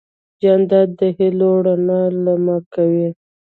جانداد د هېلو رڼا لمع کوي.